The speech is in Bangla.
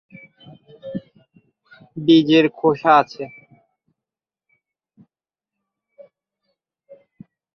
বীজের খোসা আছে।